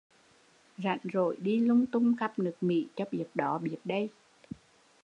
Rảnh rỗi đi lung tung khắp nước Mỹ cho biết đó biểt đây